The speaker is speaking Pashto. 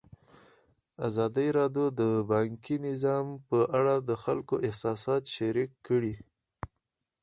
ازادي راډیو د بانکي نظام په اړه د خلکو احساسات شریک کړي.